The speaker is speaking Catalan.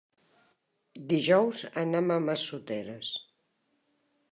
Dijous anam a Massoteres.